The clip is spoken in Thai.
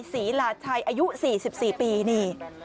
หลาชัยอายุ๔๔ปีนี่